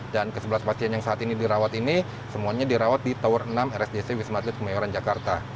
dan ke sebelas pasien yang saat ini dirawat ini semuanya dirawat di tower enam rsdc wisma atlet kemayoran jakarta